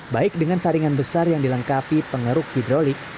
baik dengan saringan besar yang dilengkapi pengeruk hidrolik